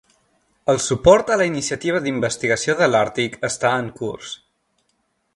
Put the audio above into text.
El suport a la Iniciativa d'Investigació de l'Àrtic està en curs.